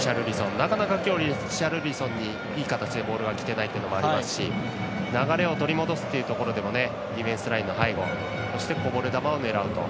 なかなか、今日リシャルリソンにいい形でボールがきてないというのもありますし流れを取り戻すっていうところでもディフェンスラインの背後こぼれ球を狙うと。